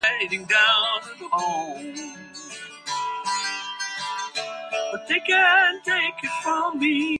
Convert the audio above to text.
McLennan was the Director of Public Affairs for the Metro Toronto Police.